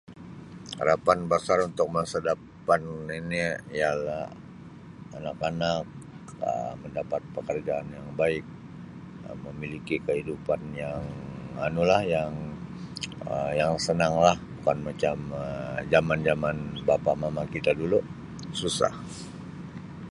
Harapan basar untuk masa dapan ini ialah anak-anak Um mendapat pekerjaan yang baik Um memiliki kehidupan yang anu lah yang Um yang senang lah bukan macam Um jaman jaman bapa mama kita dulu susah.